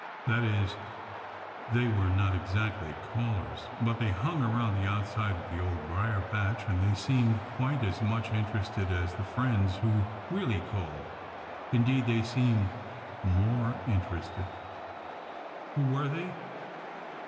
That is, they were not exactly callers, but they hung around the outside of the Old Briar patch, and they seemed quite as much interested as the friends who really called. Indeed, they seemed more interested. Who were they?